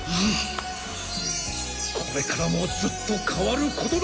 これからもずっと変わることなく。